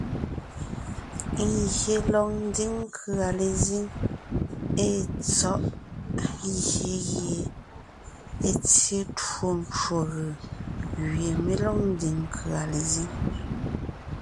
Ngyè lɔg ńdiŋ nkʉ̀a lezíŋ èe tsɔ̀ʼ gie è tsyé twó ncwò gʉ̀ gẅie mé lɔg ńdiŋ nkʉ̀a lezíŋ.